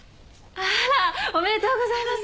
あら！おめでとうございます。